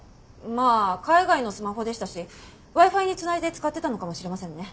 まあ海外のスマホでしたしＷｉ−Ｆｉに繋いで使ってたのかもしれませんね。